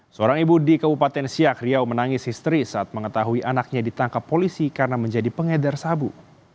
seorang ibu di kabupaten siak riau menangis histeris saat mengetahui anaknya ditangkap polisi karena menjadi pengedar sabu